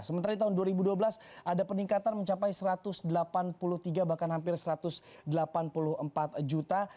sementara di tahun dua ribu dua belas ada peningkatan mencapai satu ratus delapan puluh tiga bahkan hampir satu ratus delapan puluh empat juta